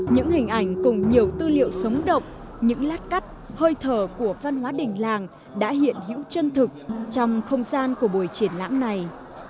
những hình ảnh cùng nhiều tư liệu sống động những lát cắt hơi thở của văn hóa đỉnh làng đã hiện hữu chân thực trong không gian của buổi triển lãm này